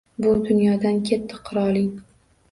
«Bu dunyodan ketdi qiroling».